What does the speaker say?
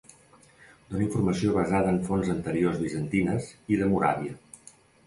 Dóna informació basada en fonts anteriors bizantines i de Moràvia.